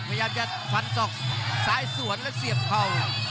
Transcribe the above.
พยายามจะฟันศอกซ้ายสวนและเสียบเข่า